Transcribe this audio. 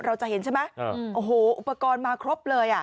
เราจะเห็นใช่ไหมโอ้โหอุปกรณ์มาครบเลย